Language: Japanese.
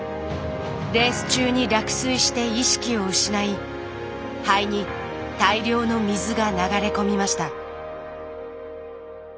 レース中に落水して意識を失い肺に大量の水が流れ込みました。